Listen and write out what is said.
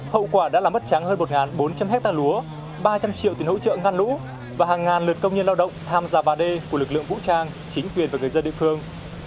hậu quả đã làm mất trắng hơn một bốn trăm linh hectare lúa ba trăm linh triệu tiền hỗ trợ ngăn lũ và hàng ngàn lượt công nhân lao động tham gia ba d của lực lượng vũ trang chính quyền và người dân địa phương